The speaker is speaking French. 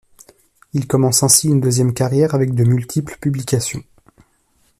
Il commence ainsi une deuxième carrière, avec de multiples publications.